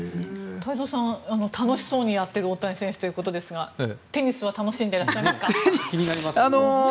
太蔵さん楽しそうにやっている大谷選手ということですがテニスは楽しんでいらっしゃいますか？